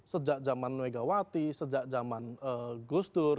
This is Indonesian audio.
sejak zaman nwegawati sejak zaman gustur